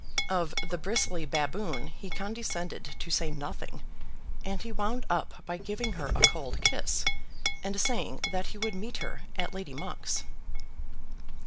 Of the bristly baboon he condescended to say nothing, and he wound up by giving her a cold kiss, and saying that he would meet her at Lady Monk's.